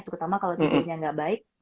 terutama kalau tidurnya nggak baik